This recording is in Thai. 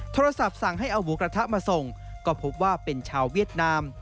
โทรศัพท์สั่งให้เอาหมูกระทะมาส่งก็พบว่าเป็นชาวเวียดนาม